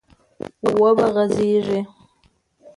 و به غځېږي،